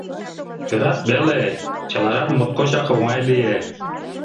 Ӧрат веле, чылажат моткочак оҥай лие...